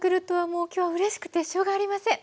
もう今日はうれしくてしょうがありません。